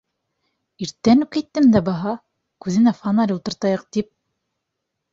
— Иртән үк әйттем дә баһа, күҙенә фонарь ултыртайыҡ тип.